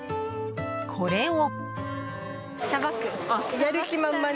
これを。